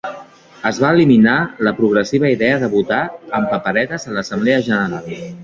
Es va eliminar la progressiva idea de votar amb paperetes a l'assemblea general.